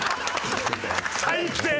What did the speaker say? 最低！